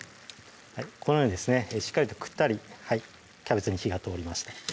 このようにですねしっかりとくったりキャベツに火が通りました